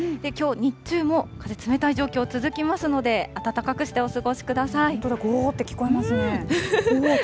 きょう日中も、風冷たい状況続きますので、暖かくしてお過ごしく本当だ、ごーって聞こえますね。